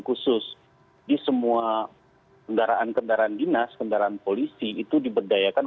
khusus di semua kendaraan kendaraan dinas kendaraan polisi itu diberdayakan